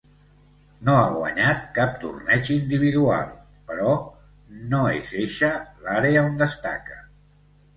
No ha guanyat cap torneig individual però no és eixa l'àrea on destaca.